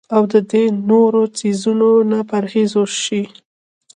او د دې نورو څيزونو نه پرهېز اوشي